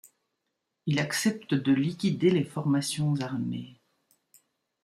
Il accepte de liquider les formations armées.